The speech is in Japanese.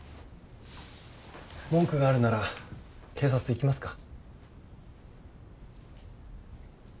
文句があるなら警察行きますか。